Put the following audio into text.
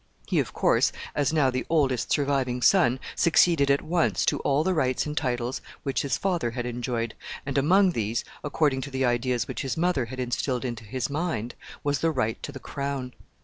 He, of course, as now the oldest surviving son, succeeded at once to all the rights and titles which his father had enjoyed, and among these, according to the ideas which his mother had instilled into his mind, was the right to the crown.